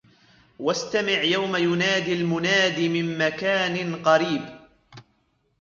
واستمع يوم يناد المناد من مكان قريب